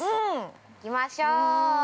行きましょう。